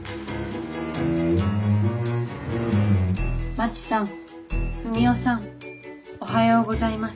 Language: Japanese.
まちさんふみおさんおはようございます。